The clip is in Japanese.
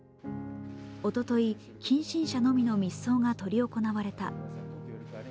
おととい、近親者のみの密葬が執り行われた。